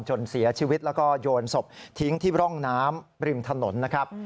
จนเสียชีวิตแล้วก็โยนศพทิ้งที่ร่องน้ำริมถนนนะครับ